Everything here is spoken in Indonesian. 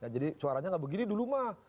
jadi suaranya gak begini dulu mah